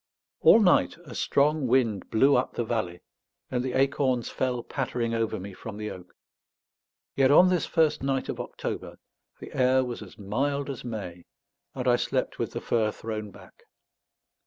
All night a strong wind blew up the valley, and the acorns fell pattering over me from the oak. Yet on this first night of October, the air was as mild as May, and I slept with the fur thrown back.